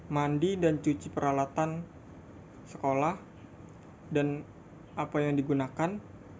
mandi dan cuci peralatan sekolah dan apa yang digunakan